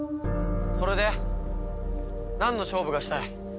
それでなんの勝負がしたい？